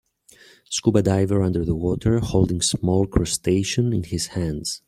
Scuba diver under the water holding small crustacean in his hands.